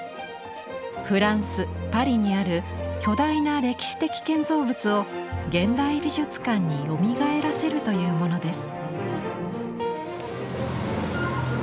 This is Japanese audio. フランスパリにある巨大な歴史的建造物を現代美術館によみがえらせるというものです。